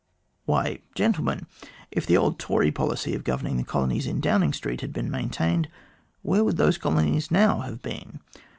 Why, gentlemen, if the old Tory policy of governing the colonies in Downing Street had been maintained, where would those colonies now have been